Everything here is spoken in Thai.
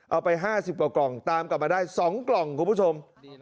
เอาไป๕๐กว่ากล่องตามกลับมาได้๒กล่องคุณผู้ชม